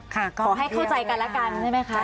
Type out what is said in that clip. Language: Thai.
ขอให้เข้าใจกันแล้วกันใช่ไหมคะ